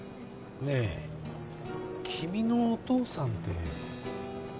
ねえ君のお父さんって。